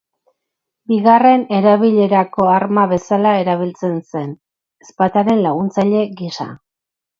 Bigarren erabilerako arma bezala erabiltzen zen, ezpataren laguntzaile gisa.